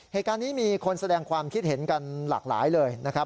เหตุการณ์นี้มีคนแสดงความคิดเห็นกันหลากหลายเลยนะครับ